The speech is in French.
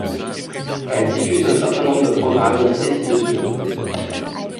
Elle diffuse un certain nombre de programmes, listés ci-dessous.